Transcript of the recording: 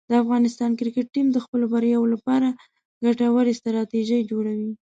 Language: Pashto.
د افغانستان کرکټ ټیم د خپلو بریاوو لپاره ګټورې ستراتیژۍ جوړوي.